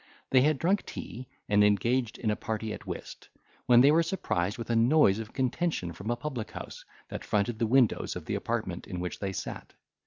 They had drunk tea, and engaged in a party at whist, when they were surprised with a noise of contention from a public house, that fronted the windows of the apartment in which they sat.